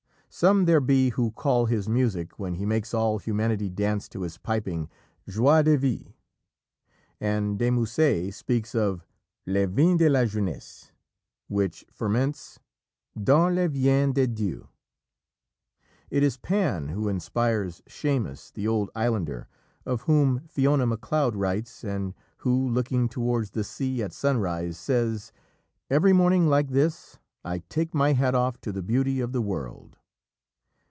Some there be who call his music, when he makes all humanity dance to his piping, "Joie de vivre," and De Musset speaks of "Le vin de la jeunesse" which ferments "dans les veines de Dieu." It is Pan who inspires Seumas, the old islander, of whom Fiona Macleod writes, and who, looking towards the sea at sunrise, says, "Every morning like this I take my hat off to the beauty of the world."